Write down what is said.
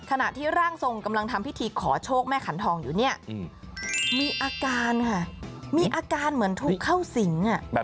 ขณะที่ร่างทรงกำลังทำพิธีขอโชคแม่ขันทองอยู่เนี่ยมีอาการค่ะมีอาการเหมือนถูกเข้าสิง